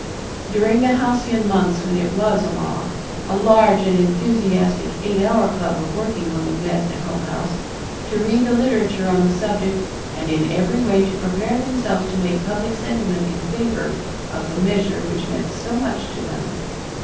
During the halcyon months when it was a law, a large and enthusiastic Eight Hour Club of working women met at Hull House, to read the literature on the subject and in every way to prepare themselves to make public sentiment in favor of the measure which meant so much to them.